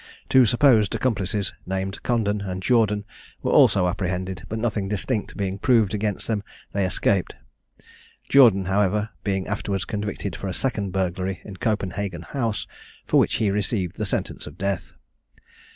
Two supposed accomplices, named Condon and Jordan, were also apprehended, but nothing distinct being proved against them they escaped: Jordan, however, being afterwards convicted for a second burglary in Copenhagen House, for which he received sentence of death.